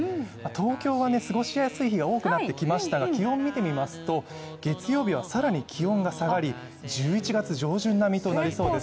東京は過ごしやすい日が多くなってきましたが気温見てみますと月曜日はさらに気温が下がり１１月上旬並みとなりそうです。